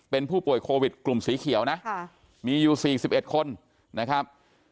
เป็นผู้ป่วยโควิดกลุ่มสีเขียวนะค่ะมีอยู่สี่สิบเอ็ดคนนะครับ